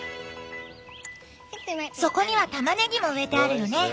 そこにはたまねぎも植えてあるよね。